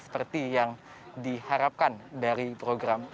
seperti yang diharapkan dari program